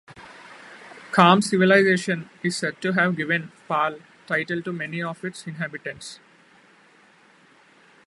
Kham civilization is said to have given "Pal" title to many of its inhabitants.